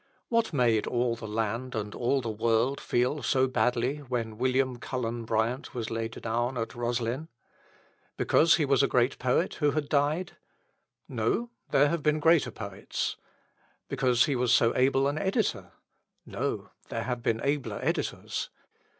What made all the land and all the world feel so badly when William Cullen Bryant was laid down at Roslyn? Because he was a great poet who had died? No; there have been greater poets. Because he was so able an editor? No; there have been abler editors.